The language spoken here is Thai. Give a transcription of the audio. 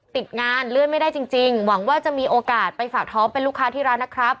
ติดงานเลื่อนไม่ได้จริงหวังว่าจะมีโอกาสไปฝากท้องเป็นลูกค้าที่ร้านนะครับ